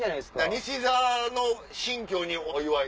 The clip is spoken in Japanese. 西澤の新居にお祝い？